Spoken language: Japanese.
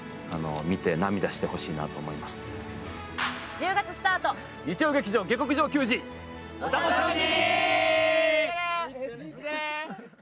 １０月スタート、日曜劇場「下剋上球児」お楽しみに。